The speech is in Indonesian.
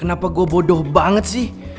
kenapa gue bodoh banget sih